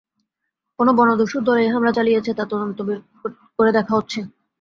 কোন বনদস্যুর দল এই হামলা চালিয়েছে, তা তদন্ত করে দেখা হচ্ছে।